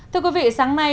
thưa quý vị sáng nay